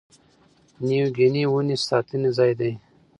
نیو ګیني ونې ساتنې ځای دی.